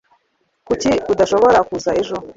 kuki udashobora kuza ejo